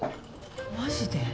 マジで？